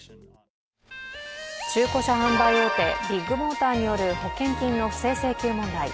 中古車販売大手ビッグモーターによる保険金の不正請求問題。